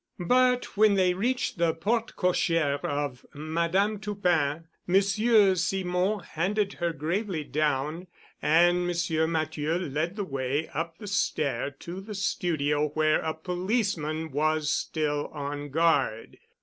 But when they reached the porte cochère of Madame Toupin, Monsieur Simon handed her gravely down and Monsieur Matthieu led the way up the stair to the studio where a policeman was still on guard.